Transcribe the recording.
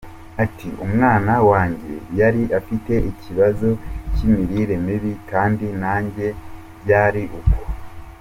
Ati “Umwana wanjye yari afite ikibazo cy’imirire mibi, kandi nanjye byari uko.